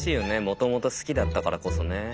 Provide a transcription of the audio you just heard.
もともと好きだったからこそね。